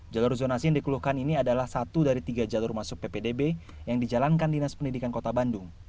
jalur zonasi yang dikeluhkan ini adalah satu dari tiga jalur masuk ppdb yang dijalankan dinas pendidikan kota bandung